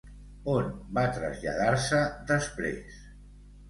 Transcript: On va traslladar-se després?